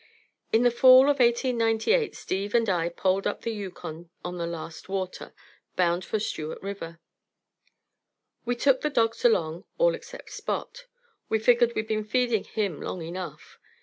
In the fall of 1898, Steve and I poled up the Yukon on the last water, bound for Stewart River. We took the dogs along, all except Spot. We figured we'd been feeding him long enough.